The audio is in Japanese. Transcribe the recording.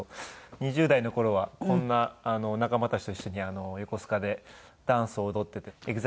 ２０代の頃はこんな仲間たちと一緒に横須賀でダンスを踊っていてＥＸＩＬＥに入れたので。